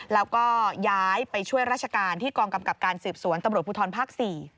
แล้วก็ย้ายไปช่วยราชการที่กองกำกับการสืบสวนตำรวจภูทรภาค๔